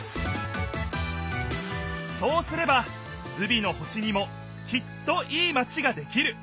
そうすればズビの星にもきっといいマチができる。